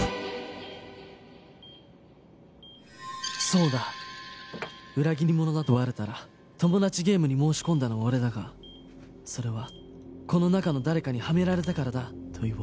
そうだ裏切り者だとバレたら「トモダチゲームに申し込んだのは俺だがそれはこの中の誰かにはめられたからだ」と言おう